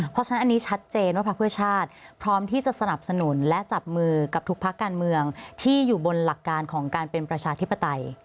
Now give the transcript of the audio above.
เพราะฉะนั้นอันนี้ชัดเจนว่าพักเพื่อชาติพร้อมที่จะสนับสนุนและจับมือกับทุกภาคการเมืองที่อยู่บนหลักการของการเป็นประชาธิปไตย